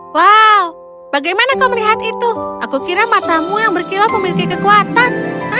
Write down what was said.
wow bagaimana kau melihat itu aku kira matamu yang berkilau memiliki kekuatan